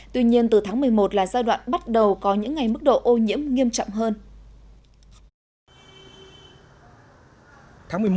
tuy nhiên từ tháng một mươi một là giai đoạn bắt đầu có những ngày mức độ ô nhiễm nghiêm trọng hơn